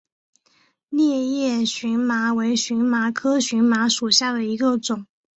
裂叶荨麻为荨麻科荨麻属下的一个种。